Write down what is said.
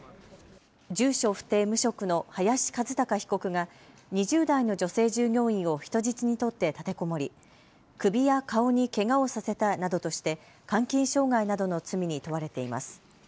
住所不定・無職の林一貴被告が２０代の女性従業員を人質に取って立てこもり首や顔にけがをさせたなどとして監禁傷害などの罪に問われています。